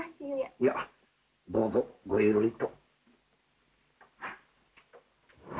いやどうぞごゆるりと。